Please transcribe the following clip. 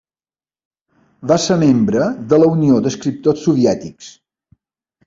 Va ser membre de la Unió d'Escriptors Soviètics.